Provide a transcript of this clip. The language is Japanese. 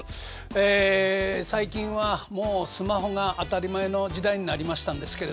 ええ最近はもうスマホが当たり前の時代になりましたんですけれどね